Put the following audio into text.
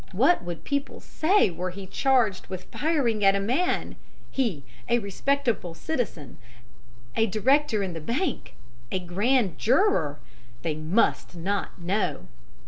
What would people say were he charged with firing at a man he, a respectable citizen, a director in the bank, a grand juror? They must not know!